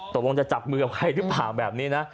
ตกลงจะจับมือกับใครหรือเปล่าแบบนี้นะ